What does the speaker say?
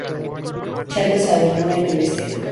Charles Avenue en el este.